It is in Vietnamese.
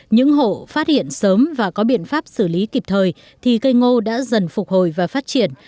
những hộ phát hiện sớm và có biện pháp xử lý kịp thời thì cây ngô đã dần phục hồi và phát triển